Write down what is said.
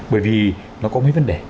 bởi vì nó có mấy vấn đề